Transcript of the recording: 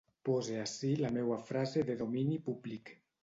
Pose ací la meua frase de domini públic.